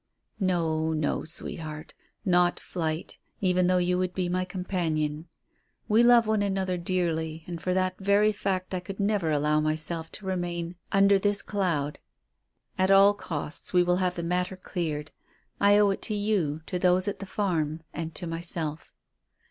"No, no, sweetheart. Not flight, even though you would be my companion. We love one another dearly, and for that very fact I could never allow myself to remain under this cloud. At all costs we will have the matter cleared. I owe it to you, to those at the farm, and to myself."